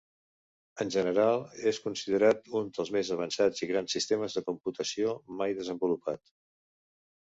En general, és considerat un dels més avançats i grans sistemes de computació mai desenvolupat.